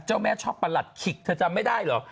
เจ้าแม่ชอบปรัสขิกเธอจำไม่ได้หรอ